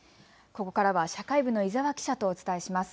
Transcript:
ここからは社会部の伊沢記者とお伝えします。